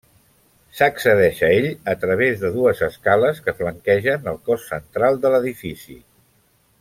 S'accedeix a ell a través de dues escales que flanquegen el cos central de l'edifici.